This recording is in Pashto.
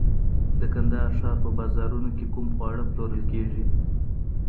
د کندهار ښار په بازارونو کي کوم خواړه پلورل کيږي؟